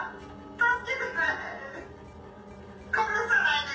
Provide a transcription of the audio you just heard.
助けてくれ！